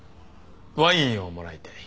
ワインをもらいたい。